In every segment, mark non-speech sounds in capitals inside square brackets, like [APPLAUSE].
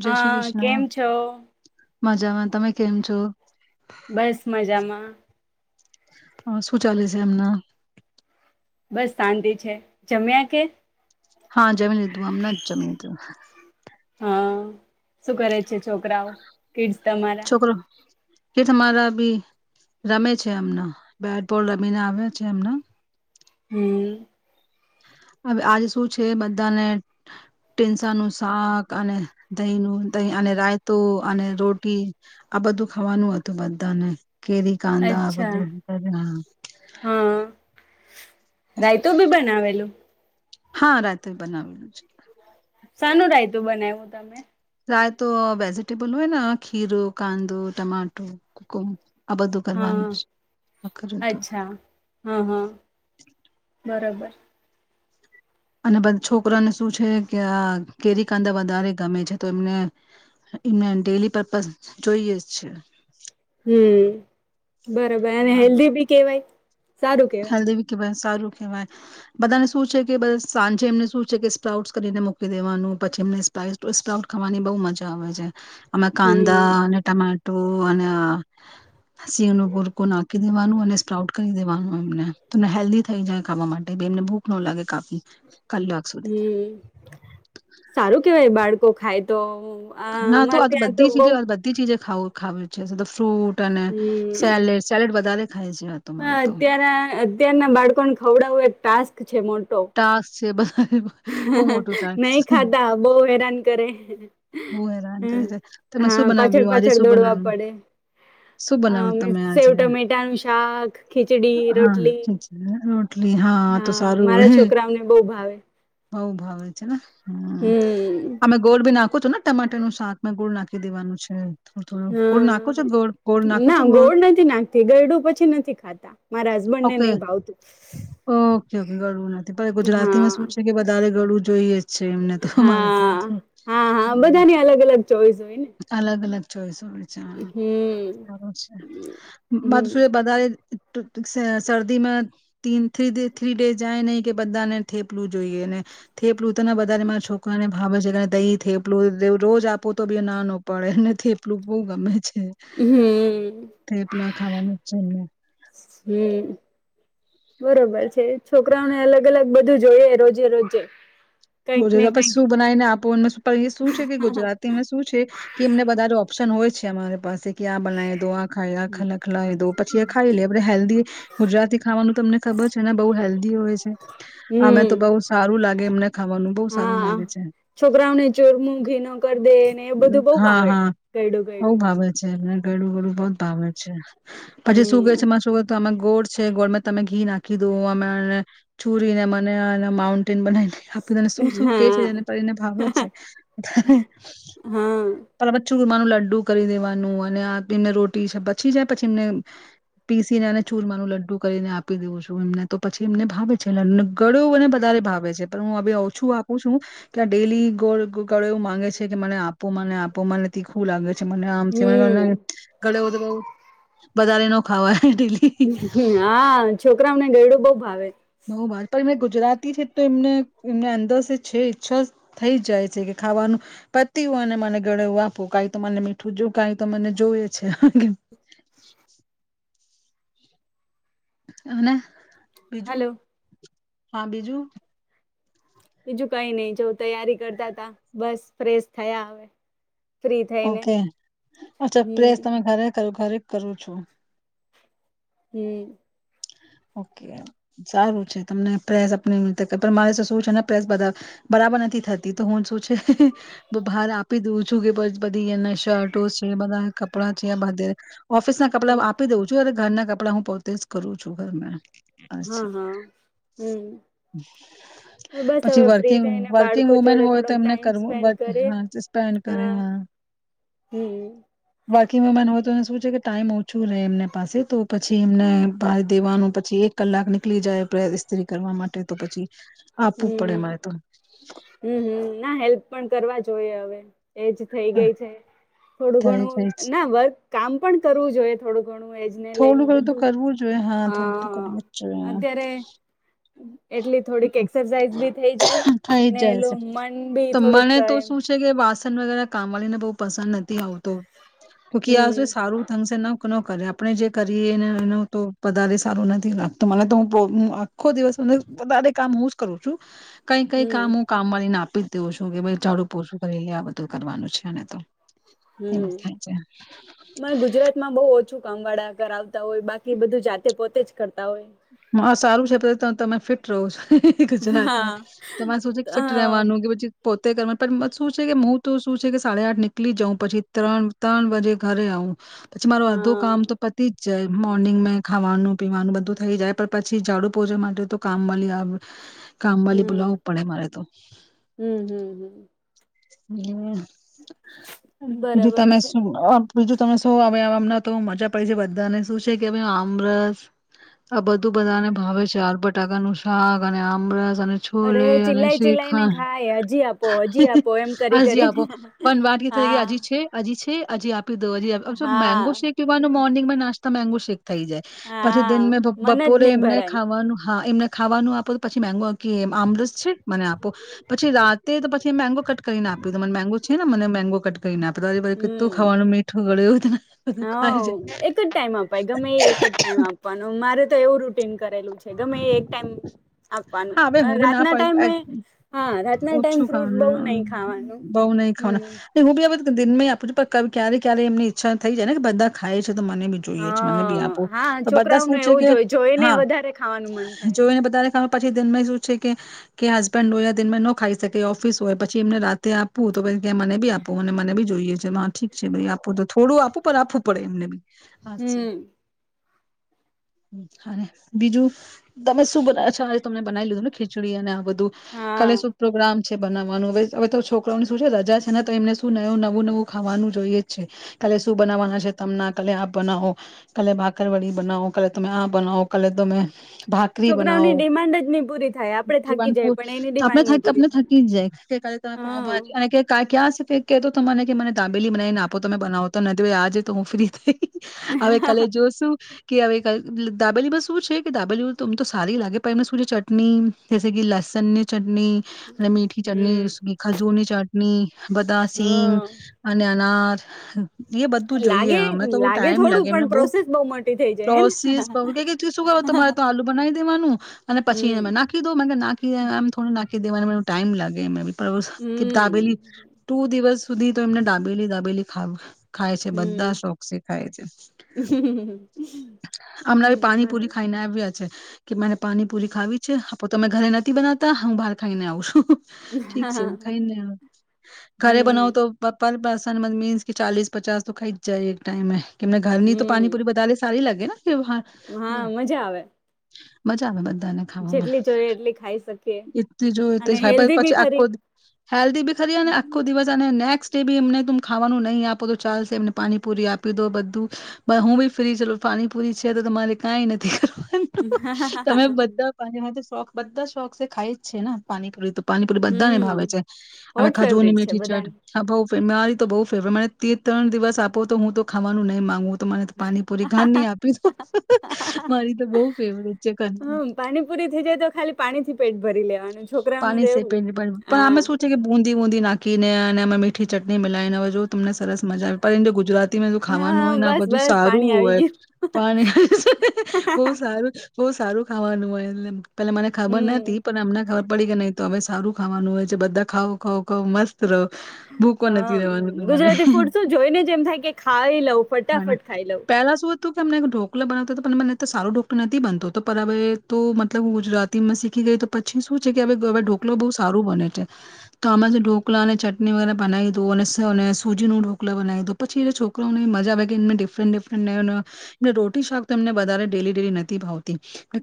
જય શ્રી હા કૃષ્ણ કેમ છો મજામાં. તમે કેમ છો? બસ મજામાં હ શું ચાલે છે અમના. બસ શાંતિ છે. જમ્યા કે? હા જમી લીધું આમને જ જમી લીધું. હા શું કરે છે છોકરાઓ. કોડ્સ તમારા છોકરો કે તમારા બી રમે છે એમના બેટબોલ રમીને આવ્યા છે એમના. હમ્મ. હવે આજે શું છે બધાને ટેન્શન થાક અને દહીંનું દહીં અને રાયતુ અને રોટી આ બધું ખાવાનું હતું બધાને. કેરી કંધા અચ્છા બધુ [UNINTELLIGIBLE] હા રાયતો ભી બનાવેલું. હા રાત્ર બનાવેલું છે. સાનું રાયતું બનાવું તમે. રાયતો વેજીિટેબલ હોય ખીરો કાંદો ટમાટો કુકુમ આ બધું કરવારવાનું હા છે આખર હતું. અચ્છા હા હા બરોબર. અને બધા છોકરાને શું છે કે આ કેરી કાંદા વધારે ગમે છે તો એમને એમને ડેલી પર્પઝ જોઈએ જ છે. હમ્મ. બરોબર અને હેલ્ધી બી કેવાય. સારું કેવાય. હેલ્ધી કેવાય સારું કહેવાય બધાને શું છે કે બસ સાંજે એમને શું છે કે સ્પ્રાઉટસ કરીને મૂકી દેવાનું પછી એમનેપ સ્પ્રાઉટ ખાવાની બહુ મજા આવે છે. આમે કાંદા હમ અને ટમા નો અને સિંહ નો પુરકો નાખી દેવાનું અને સ્પ્રાઉટ કરી દેવાનું મને તને હેલ્ધી થઈ જાય ખાવા માટે એમને ભૂખ ન લાગે કાફી કલાક સુધી. કો ખાય તો આ ખાના તો અમારે આજ ત્યાં બધી બહ ચીજ બધી ચીજ ખાવ ખાવે છે સાથે તો ફ્રૂટ ટ અને સેડ સેલડ વધા હા અત્યાર અત્યાર ના બાળકોને ખવડાવુંય ટાસ્ક છે મોટો ટાસ્ક છે બ નહી ખાતા બહ હેરાન કરે. બહ હેરાન હમ, કરી છેે તમે હા શું પાછળ બનાવ્યું આજે પાછળ શું દોડવા બનાવ્યું પડે શું બનાવ્યું અ તમે સેવ આજે ટમેટાનું શાક ખીચડી રોટલી હા [UNINTELLIGIBLE] હા તો સારું મારા હે છોકરાઓને બહુ ભાવે બઉ ભાવે છે ને હ હમ અમે ગોળ બી નાખ તો છું ને ટમાટરનું શાક મેં ગોળ નાખી દેવાનું છે. થોડું થોડું ગોળ નાખો છો હા ગોળ ગોળ નાખો ના છો ગોળ નથી નાખતી ગરડું પછી નથી ખાતા મારા હસબન્ડ ઓકે ને નહ ભાવતું ઓકે, ઓકે. ગળવું નથી. પણ ગુજરાતીમાં હા. શું છે કે વધારે ગળવું જોઈએ. છે એમને તો હા અરે ત્યાં તો. હા હા બધાની અલગ અલગ ચોઈસ હોય ને. અલ અલગ ચોઈસ. હોય છે હાહા હમ સારું છે હમ માધશે બધાએ ત શરદીમાં થ્રી ડે જાય નહી કે બધાને થેપલું જોઈએ ને થેપલું ત ને બધારે માં છોકરાને હા બસ જે ક તઈ થય [UNINTELLIGIBLE] રોજ આપો તો [UNINTELLIGIBLE] ના ન પાડે ને થેપલું. બહુ ગમે છે. હમ તે પેલા ખાવાનું છે ને. હમ્મ. બરોબર છે. છોકરાઓને અલગ અલગ બધું જોઈએ રોજે રોજે. કઈક રોજ ને પછ કઈક શું બનાવી ને આપ [UNINTELLIGIBLE] પણ એ શું છે કે ગુજરાતીમાં શું છે કે એમને વધારે ઓપ્શન હોય છે. અમારે પાસે કે આ બનાવી દો, આ ખાઈ આ ખ ખલાવી દો પછી એ ખાઈ લઈએ. આપે હેલ્ધી ગુજરાતી ખાવાનું તમને ખબર છે ને બઉ હેલ્ધી હોય છે અમે તો હમ બઉ સારું લાગે એમને ખાવાનું બહુ સારું હા, લાગે છે છોકરાઓને ચોરમું ઘી ન કરી દે ને એ બધું બહ હા ભાવે. હા ગાઈડું બહુ ગાઈડું. ભાવે છે એમને ગળું ગળું બહુત ભાવે છે. પછી સુગર છે હમ મામાં શુંય તો આમાં ગોળ છે, ગોળમાં તમે ઘી નાખી કીધું અમે ચૂરીને મને એના માઉન્ટેન બનાવી બધાને શું શું કે છે જેને હા કરીને ભાવે છે. હા [UNINTELLIGIBLE] ચૂરમાનું લડ્ડુ કરી દેવાનું અને એમને રોટી છે પછી જાય પછી એમને પીસીને અને ચૂરમાનું લડ્ડુ કરીને આપી દઉં છું એમને તો પછી એમને ભાવે છે લડુને ગળ્યું અને વધારે ભાવે છે પણ હું ઓછું આપું છું કે ડેલી ગોળ ગળ એવું માંગે છે કે મને આપો મને આપો મને ખું લાગે છે મને આમથી હમ આમ વધારે નો ખાવાય. ડેલી હા છોકરાઓને ગયડું બવ ભાવે. બવ બાર પણ એ ગુજરાતી છે તો એમને એમને અંદર છે ઈચ્છા થઈ જાય છે કે ખાવાનું પતિ હોય અને મને ગળે એવું આપો કઈ તો મને મીઠું જો કઈ તો મને જોવે છે. ના. હાલો. હા બીજું? બીજું કઈ નઈ જો તૈયારી કરતા તા બસ ફ્રેશ થયા હવે. ફ્રી થઈને ઓકે અચ્છા પ્રેસ હમ તમે ઘરે કરો? ફારીક કરું છું. હમ્મ. ઓકે સારું છે. તમને પ્રેસ આપવી રતે મારે શું છે ને પ્રેસ બધા બરાબર નથી થતી તો હું શું છે બ બહાર આપ પી દઉં છું કે પછ બધી એને શર્ટો છે, બ ધા કપડાં છે, આ બધે ઓફિસના કપડા હમ ઉં આપી દઉં છું અને ઘરના કપ પડા હું પોતે જ કરું છું ઘર મે હા અછા હા હમ બસ પછી હવે ફ્રી વર્કિંગ થઈને વર્કિંગ બાળકો વુમેન જોડે હોય તો થોડોક એમને ટાઈમ કરવું બ સ્પેન્ડ કરીએ હાં સ્પેન્ડ કરે હા હાં. હમ બાકી મેમાન હો તો એને શું છે કે ટાઈમ ઓછું રેહ એમને પાસે તો પછી એમને ભાર દેવાનું પછી એક કલાક નીકળી જાય પ્રે ઈસ્ત્રી કરવા માટે તો પછી આપવું પડે મારે તો. હમ્મ હમ્મ ના હેલ્પ પણ કરવા જોઈએ અવે. એજ થેઇ હા, ગેઈ છે. થોડું થાય જાય છે ઘણું ના વર્ક કામ પણ કરવું જોઈએ થોડુંક. થોડું ઘડું તો કરવું જ જોઈએ હા થોડું તો કરવું જ જોઈએ. અત્યારે એટલી થોડીક એક્સરસાાઈઝ બી થઇ જાય. ને એલું મન [UNINTELLIGIBLE] બી તો થોડુંક મને તો એમ શું છે કે પાસન વગેરા કામ વાળી ને બહુ. પસંદ નથી હમ આવતોકી આ સારું થશે ન કરે આપણે જે કરીએ એને એનો તો પધારે સારું નથી રાખતો મને તો હું આખો દિવસ મને વધારે કામ હું જ કરું છું. કઈ કઈ હમ કામ હું કામવાળી ને આપું. શું કે ભ જાાડુ પોરછું કરી લે આ બધું કરવાનું છે અનેને તો. એમ હમ જ થાય છે. મને ગુજરાત માં બહુ ઓછું કામ વાળા કર આવતા હોય બાકી બધું જાતે પોતે જ કરતા હોય હા સારું છે પ તમે ફિટ રહો છો હા ગુજરાતમાં તો મે સોચ્યા કે ફિટ હા રવાનું કે પછી પોતે કરવા પણ શું છે કે હું તો શું છે કે સાડા આઠ નીકળી જાઉં પછી ત્રણ ત્રણ વાજે ઘરે આવું પછી માર અડધો હા કામ તો પતિ જ જાય મોર્નિંગ મે ખાવાનું પીવાનું બધું થઈ જાય પછી ઝાડુ પોજા માટે તો કામવાળી આવે કામવાલી હમ બુલાવું પડે મારે તો હમ હમ હમ હમ બીજું બરાબર તમે છે શું બીજું તમે શું હવેમ તો મજા પડી છે બધાને શું છે કે આમરસ આ બધું બધાને ભાવે. [UNINTELLIGIBLE] [UNINTELLIGIBLE] નું શાક અને આમરસ અને અરે છોલે અને ચિલાઈ ચિલાઈ ને શ્રીખંડ ખાય હજી આપો હજી આપો એમ કરી હજી આપો કરીને પણ વાત કે થઈ ગ હા હજી છે હજી ઈ છે હજી આપી દો હજી મેંગો હા શેક પીવાનો મોર્નિંગમાં નાસ તો મેંગો શેક થઈ જાય પછી હા દિન મે મને જ બપોરે નહી એમને ભરાય ખાવાનું હા એમને ખાવાનું આપો તો પછી મેગો કે આમરસ છે મને આપો પછી રાતે તો પછી મેંગો કટ કરીને આપી, તો મને મેંગો છે ને મને મેંગો કટ કઈને આપી [UNINTELLIGIBLE] આજે બધુ હમ ખાવાનું મીઠું ગળ્યું [UNINTELLIGIBLE] હા ખાય જાય. એક જ ટાઈમ અપાય ગમે એ એક જ ટાઈમ આપવાનો મારે તો એવું રૂટીન કરેલું છે, ગમે એ એક ટાઈમ આપવાનું હા હવે હું બી ના રાતના પાડીસ આ ટાઈમે હા રાતના ટાઈમ ઓછું ફ્રૂટ બહુ ખાવાનું નહી ખાવાનું બઉ નઈ હમ ખાવાના ને હું બી હ દિનમેં આપું છુ, પન ક્યારે એમની ઈચ્છા થઈ જાયને કે બધા ખાય છે તો તો મને બી જોઈએ છે, મને બી આપો હા હા તો બધા છોકરાઓને શું છે એવું કે, જોય જોઈને હા વધારે ખાવાનું મન થાય જોઈ બધાએ પછી દિનમય શું છે કે કે હસબેન્ડ હોય દિનમય ન ખાઈ શકે ઓફિસ હોય પછી એમને રાતે આપુ તો [UNINTELLIGIBLE] કે મને બી આપો અને મને બી જોઈએ છે [UNINTELLIGIBLE] ઠીક છે ભાઈ આપું તો થોડું આપું પણ આપવું પડે એમને બી હા છે હમ. બીજું તમે શું બના છો? તમને બનાવી લીધું ને ખીચડી અને આ બધું હા કાલે સુ પ્રોગ્રામ બનાવવાનું હવે તો છોકરાની શું છે રજા છે ને તો એમને શું નવું નવું નવું ખાવાનું જોઈએ જ છે કાલે શું બનાવાના છે તમને કાલે આ બનાવો કાલે બાાકર વડી બનાવો કાલે તમે આ બનાવો કાલે તમે ભાકરી બનાઓ. છોકરાઓની ડિમાન્ડ જ નહી પૂરી થાય આપડે થાકી જાય નૂર પણ એની આપને ડિમાન્ડ નહી પૂરી આપને થાય થાકી જ જાય કાલે ત હા પાાવભાજી અને ક્યાં તો તમા મને કે મને તાબેલી બનાવીને આપો તમે બનાવો. તો નથી ભાઈ આજે તો હું ફ્રી થઈ. હવે કાલે જોશું. કે હવે દાબેલી બસ શું છે કે દાબેલી તમ તો સારી લાગે. પછી ખજૂરની ચટણી જસે કે લસન્ય ચ ચટ અને મીઠી હમ ચટણી ખજૂરની ચાટ ની બતા સિંહ હા અનેનાથ હ [UNINTELLIGIBLE] એ બધું જોઈએ લાગે અને તો બ ટાઈમ લાગે થોડું એમને પણ બ પ્રોસેસ બહુ મોટી થઈ જાય હેને સોસીસ ક ક શું કર તમારે તો આલુ બનાવી દેવાનું. અને હમ પછીને નાખી દો નાખીમ થોડી નાખી દવા મ ટાઈમ લાગે કે હમ્મ. દાબેલી ટુ દિવસ સુધી તો એમને દાબેલી દાબેલી ખાવ. ખાય છે બધા હમ્મ. શોખ છે ખાય છે હમણાં બ હમ્મ પાણીપુરી બરોબર. ખાઈને આવ્યા છે. કે મારાં પાનીપુરી ખાવી છે આપ તમે ઘરે નથી બનાવતા હું બહાર ખાઈને આવું છું. ઠીક છે ખાઈને ઘરે બનાવ હમ્મ તો પપ્પા પાસે મીન્સ કે ચાલીસ પચાસ તો ખાઈ જાય એક ટાઈમે. કેમને ઘરની તો પા પુરી હમ્મ બદાલે સારી લાગેને. કે હા હા મજા આવે મજા આવે બધ જેટલી જોઈએ એટલી ખાઈ શકીએ ખ એ જો એ અને હેલ્ધી બી પછી આખો ખરી. હેલ્ધી બી ખરી અને આખો દિવસ અને નેક્સ બી એમને ત ખાવાનું નહી આપો તો ચાલશે એમને પાણીપુરી આપી દો બધું હું બી ફ્રી ચ પાણીપુરી છે તો તમારે કંઈ નથી કર. હા હા હા. તમે બધા પા હ શોખ બધા શોખ છે ખાય જ છે ને પાણી પોડી તો પાણીપુરી બધાને ભાવે હમ્મ છે અમે હોટ ખજૂર ની ફેવરેટ છે મીઠી ચડ બધાની. હ ભઉ. મારી તો બહુ ફેવરેટ મને તે ત્રણ દિવસ આપો તો હું તો ખાવાનું નહી માંગુ. તોરે તો પાનીપુરી ઘાન નની આપી દ મારી તો બહ ફેવરેટ છે હમ પાણી પુરી થથી જાય તો ખાલી પાણી થી પેટ ભરી લેવાનું. છોકરાઓનું પાણી તો સે પે એવું પણ આમે હા શું છે કે બુંદી બુંદી નાખીને અને અમે મીઠ ચટણી મિલાવીને હવે જો તમને સરસ મજા આવે ગુજરાત ધીમેધું ખાવાનું હા હોય ને આ બસ બધું બસ સારું પાણી આવી હોય ગયું પાણી બહુ સારું બહ સારું ખાવાનું હોય એમ. પે મને ખબર હમ્મ. નથી પણ અમને ખબર નહી તો અમે સારું ખાવાનું હોય છે બધા ખાાવ ખા ખું મસ્ત રહો ભૂકો નથી હ રહેવાનું તમારે ગુજરાતી ફૂડ શું જોઈને જ એમ થાય કે ખાઈ લઉં ફટાફટ ખાઈ લઉં. પેલા શું હતું અમને ઢોકલો બનાવતો પણ મને તો સારો ઢોકલો નથી બનતો હવે તો મતલબ ગુજરાતીમાં શીખી ગય તો પછી શું છે કે હવે ઢોકલો બહુ સારું બને છે તો આમાં જે ઢોકલા અને ચટણી વગેરે બનાવી દો અને સૂજી ન ઢોકલો બનાવી દીો પછી એ છોકરા ને મજા આવે કે એ ડિફરન્ટ ડિફરન્ટ રોટી શાક તો એમને વધારે ડેલી ડેલી નથી ભાવતી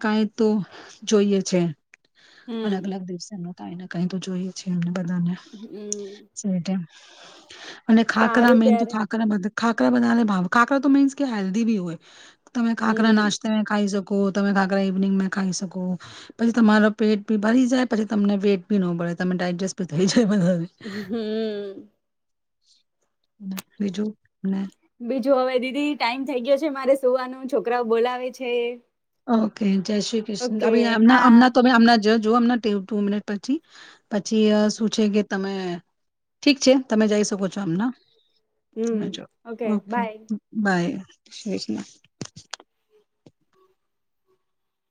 કાઈ તો જોઈએ છે. હમ અલગ અલગ દિવસનો કા એને કઈ તો જોઈએ છીએ એમને બધાને હમ. અને ખાકરા સારું મેન તો ત્યારે. ખાકરા બધા ખાખરા બનાને ભાવ ખાખરા તો મીન્સ કે હેલ્દી ભી હોય. તમે ખાખરા હમ. નાસ્તામાં ખાય શકો છો. તમે કાકરા ઇવનિંગ ખાઈ શકો પછી તમારો પેટ બી ભરી જાય પછી તમને વેટ બી ન બધે તમે ડાયડજસ્ટ બી થઈ જા હમમ્. બીજું અનેને બીજું હવે દીદી ટાઈમ થઈ ગયો છે મારે સુવાનું છોકરાઓ બોલાવે છે. ઓકે. જય શ્રી કૃષ્ણ ઓકે અભિ હા અણ્ણા તો અમણા જો અમના ટુ મિનિટ પછી પછી શું છે કે, તમે ઠીક છે તમે જઈ શકો છો આમના. તમે હમ જાઓ ઓકે બાય. બાય. છે જ ને.